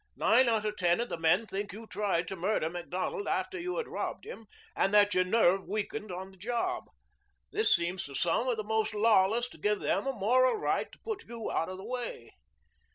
Nine out of ten of the men think you tried to murder Macdonald after you had robbed him and that your nerve weakened on the job. This seems to some of the most lawless to give them a moral right to put you out of the way.